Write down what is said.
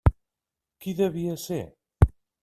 Qui devia ser?